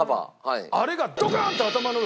あれが。